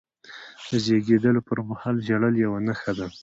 د زیږېدلو پرمهال ژړل یوه نښه ده.